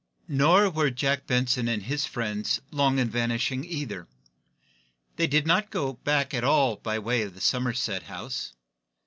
Nor were Jack Benson and his friends long in vanishing, either. They did not go back at all by the way of the Somerset House.